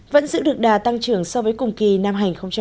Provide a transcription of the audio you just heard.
vẫn giữ được đà tăng trưởng so với cùng kỳ năm hai nghìn một mươi tám